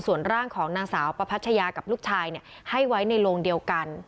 ส่วนร่างของนางสาวประพัชยากับลูกชายให้ไว้ในโรงเดียวกัน